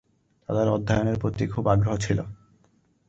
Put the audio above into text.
তাদের অধ্যয়নের প্রতি খুব আগ্রহ ছিল।